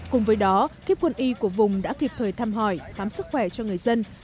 cùng với đó các quân y của vùng đã kịp thời thăm hỏi khám sức khỏe cho người dân